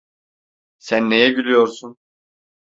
Sen neye gülüyorsun?